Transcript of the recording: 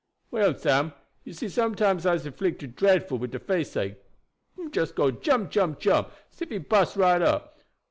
"Well, Sam, you see sometimes I'se 'flicted dre'fful wid de faceache him just go jump, jump, jump, as ef he bust right up.